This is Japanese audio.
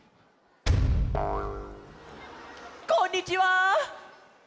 こんにちは！